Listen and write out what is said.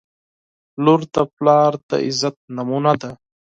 • لور د پلار د عزت نمونه ده.